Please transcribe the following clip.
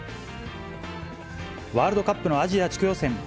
ワールドカップのアジア地区予選。